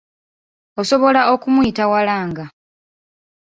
Osobola okumuyita waalanga.